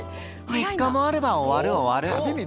３日もあれば終わる終わる。